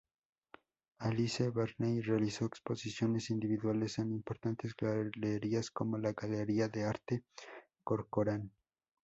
Alice Barney realizó exposiciones individuales en importantes galerías como la Galería de Arte Corcoran.